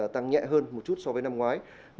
tăng nhẹ hơn một chút so với năm ngoái